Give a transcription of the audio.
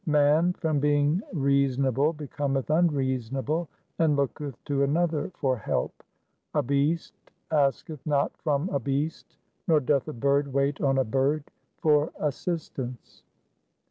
Man from being reasonable becometh unreasonable and looketh to another for help. A beast asketh not from a beast, nor doth a bird wait on a bird for assistance.